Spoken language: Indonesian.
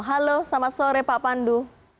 halo selamat sore pak pandu